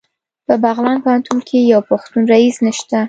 په بغلان پوهنتون کې یو پښتون رییس نشته